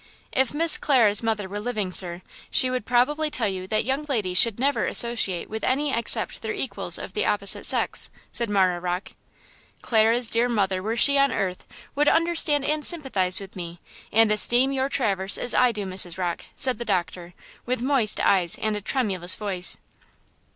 "If Miss Clara's mother were living, sir, she would probably tell you that young ladies should never associate with any except their equals of the opposite sex," said Marah Rocke. "Clara's dear mother, were she on earth, would understand and sympathize with me, and esteem your Traverse as I do, Mrs. Rocke," said the doctor, with moist eyes and a tremulous voice.